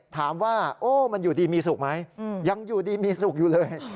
ถามว่าโอ้มันอยู่ดีมีสุขไหมยังอยู่ดีมีสุขอยู่เลย